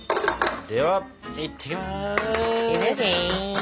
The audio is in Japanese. ではいってきます！